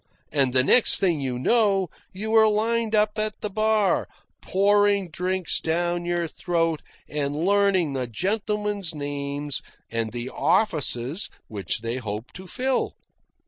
And the next thing you know, you are lined up at the bar, pouring drinks down your throat and learning the gentlemen's names and the offices which they hope to fill.